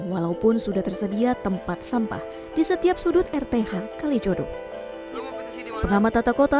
walaupun sudah tersedia tempat sampah di setiap sudut rth kalijodo pengamat tata kota